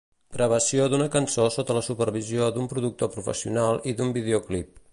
Gravació d'una cançó sota la supervisió d'un productor professional i d'un videoclip.